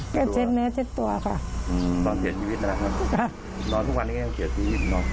ก็เจ็ดแม้เจ็ดตัวค่ะตอนเกลียดชีวิตครับนอนทุกวันนี้ยังเกลียดชีวิตนอนตัว